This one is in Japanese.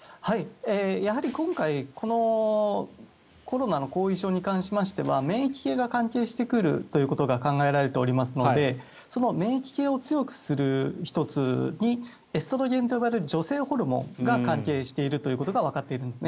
やはり今回コロナの後遺症に関しましては免疫系が関係してくるということが考えられますのでその免疫系を強くする１つにエストロゲンと呼ばれる女性ホルモンが関係していることがわかっているんです。